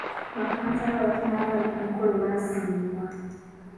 Ba kkansala abatono abaali ku mukolo baasiimibwa.